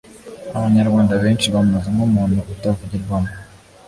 Abanyarwanda benshi bamuzi nk’umuntu utavugirwamo